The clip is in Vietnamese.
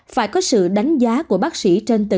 phải có sự đánh giá của bác sĩ